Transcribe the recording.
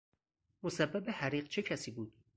مسبب حریق چه کسی بود؟